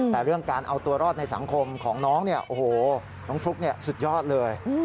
แต่เรื่องการเอาตัวรอดในสังคมของน้องเนี่ยโอ้โหน้องฟลุ๊กสุดยอดเลย